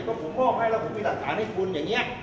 ก็ผมมอบให้แล้วผมมีหลักฐานให้คุณอย่างนี้